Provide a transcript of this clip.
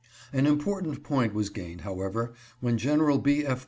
An import ant point was gained, however, when General B. F.